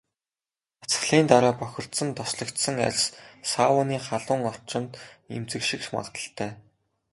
Дасгалын дараа бохирдсон, тослогжсон арьс сауны халуун орчинд эмзэгших магадлалтай.